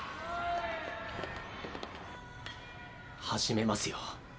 ・始めますよ。